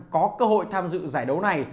có cơ hội tham dự giải đấu này